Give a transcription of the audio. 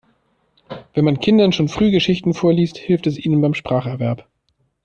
Wenn man Kindern schon früh Geschichten vorliest, hilft es ihnen beim Spracherwerb.